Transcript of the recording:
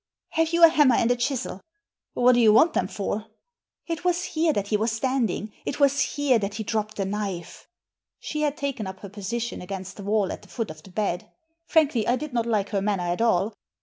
Have you a hamimer and a chisel ?"What do you want them for ?" ^It was here that he was standing; it was here that he dropped the knife." She had taken up her position against the wall at the foot of the bed Frankly, I did not like her manner at all.